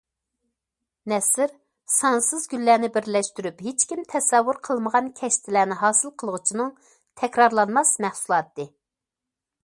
نەسر سانسىز گۈللەرنى بىرلەشتۈرۈپ ھېچكىم تەسەۋۋۇر قىلمىغان كەشتىلەرنى ھاسىل قىلغۇچىنىڭ تەكرارلانماس مەھسۇلاتى.